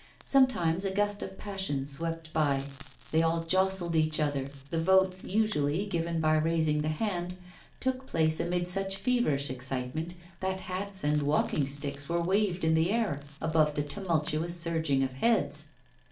Sometimes a gust of passion swept by; they all jostled each other; the votes, usually given by raising the hand, took place amid such feverish excitement that hats and walking sticks were waved in the air above the tumultuous surging of heads.